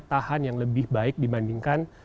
tahan yang lebih baik dibandingkan